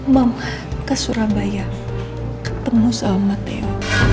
mama ke surabaya ketemu sama mateo